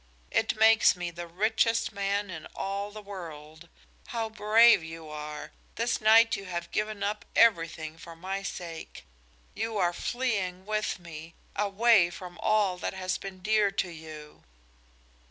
It makes me the richest man in all the world. How brave you are! This night you have given up everything for my sake. You are fleeing with me, away from all that has been dear to you."